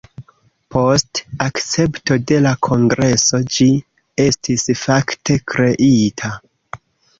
Post akcepto de la Kongreso ĝi estis fakte kreita.